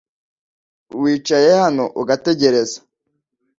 Wicaye hano ugategereza .